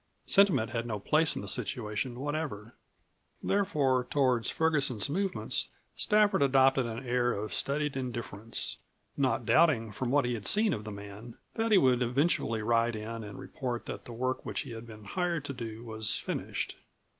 Sentiment had no place in the situation whatever. Therefore toward Ferguson's movements Stafford adopted an air of studied indifference, not doubting, from what he had seen of the man, that he would eventually ride in and report that the work which he had been hired to do was finished.